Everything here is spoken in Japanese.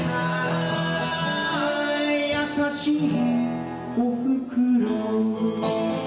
「優しいおふくろ」